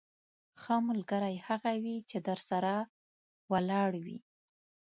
ښه ملګری هغه وي چې درسره ولاړ وي.